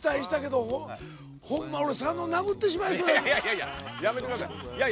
やめてください。